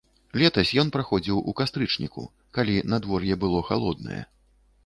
Летась ён праходзіў у кастрычніку, калі надвор'е было халоднае.